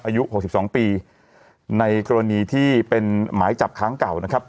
อายุหกสิบสองปีในกรณีที่เป็นหมายจับค้างเก่านะครับ